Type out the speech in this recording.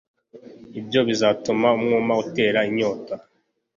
ibyo bizatuma umwuma utera inyota